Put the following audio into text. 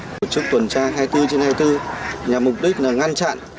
tổ chức tuần tra hai mươi bốn trên hai mươi bốn nhà mục đích là ngăn chặn